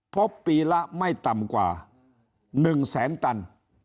พบปีละไม่ต่ำกว่า๑แสนตัน